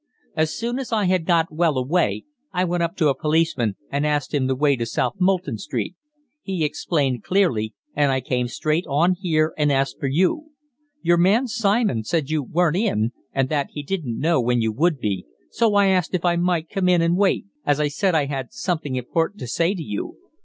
"As soon as I had got well away, I went up to a policeman and asked him the way to South Molton Street. He explained clearly, and I came straight on here and asked for you. Your man, Simon, said you weren't in, and that he didn't know when you would be, so I asked if I might come in and wait, as I said I had something important to say to you.